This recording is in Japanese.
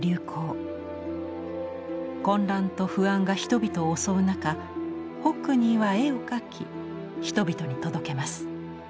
混乱と不安が人々を襲う中ホックニーは絵を描き人々に届けます。